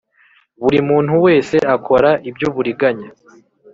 Buri muntu wese akora iby uburiganya